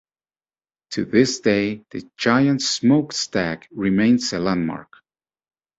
To this day, the giant smokestack remains a landmark.